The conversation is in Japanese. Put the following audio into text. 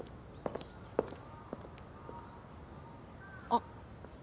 あっ。